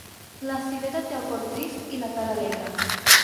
La cirera té el cor trist i la cara alegre.